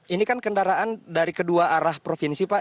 ini kan kendaraan dari kedua arah provinsi pak